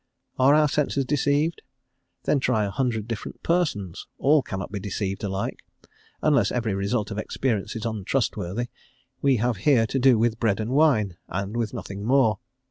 Are our senses deceived? Then try a hundred different persons; all cannot be deceived alike. Unless every result of experience is untrustworthy, we have here to do with bread and wine, and with nothing more.